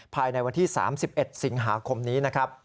ภายในวันที่๓๑สิงหาคมนี้